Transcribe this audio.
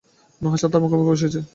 নুহাশ তার মুখোমুখি বসেছে।